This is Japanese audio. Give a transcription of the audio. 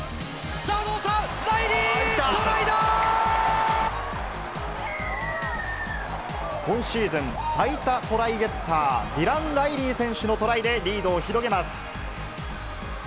さあ、どうか、ライリー、今シーズン、最多トライゲッター、ディラン・ライリー選手のトライでリードを広げます。